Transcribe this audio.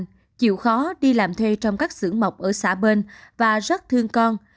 chị l chịu khó đi làm thuê trong các xưởng mộc ở xã bên và rất thương con